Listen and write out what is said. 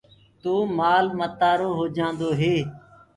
تو مآل متآرو هو جآندو هي۔